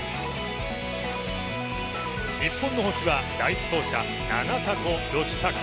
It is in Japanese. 日本の星は第１走者、長迫吉拓。